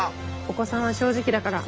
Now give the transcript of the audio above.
お子さんは正直だから。